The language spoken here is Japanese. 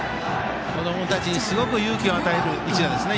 後輩たちにすごく勇気を与える一打ですね